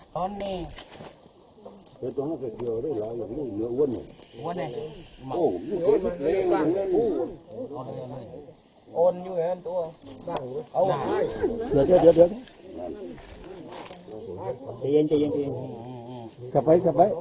เจ๋งเจ๋งเจ๋งจับไว้จับไว้